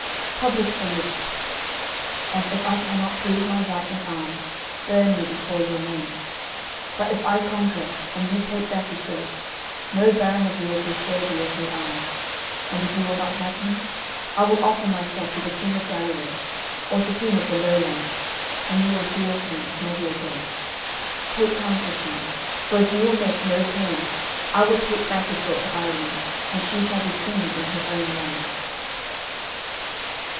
Publish the lists, and if I cannot prove my right in arms, burn me before your men. But if I conquer and you take back Iseult, no baron of yours will serve you as will I; and if you will not have me, I will offer myself to the King of Galloway, or to him of the Lowlands, and you will hear of me never again. Take counsel, King, for if you will make no terms I will take back Iseult to Ireland, and she shall be Queen in her own land.